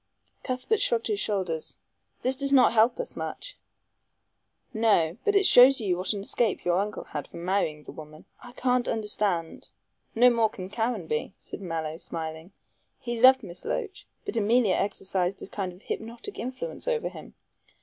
Cuthbert shrugged his shoulders. "This does not help us much." "No. But it shows you what an escape your uncle had from marrying the woman. I can't understand " "No more can Caranby," said Mallow, smiling; "he loved Miss Loach, but Emilia exercised a kind of hypnotic influence over him.